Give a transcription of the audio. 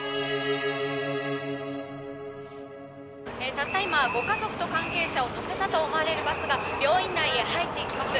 たった今ご家族と関係者を乗せたと思われるバスが病院内へ入っていきます